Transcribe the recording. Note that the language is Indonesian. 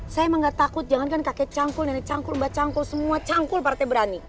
saya emang gak takut jangankan kakek cangkul nenek cangkul mbak cangkul semua cangkul partai berani